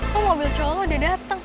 eh tuh mobil cowok lo udah datang